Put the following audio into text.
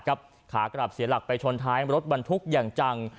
ขากลับเสียหลักไปชนท้ายรถบรรทุกอย่างจัง